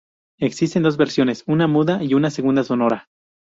Existen dos versiones, una muda y una segunda sonora.